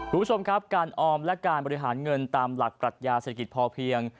คุณผู้ชมครับการออมและการบริหารเงินตามหลักปรัชญาเศรษฐกิจพอเพียง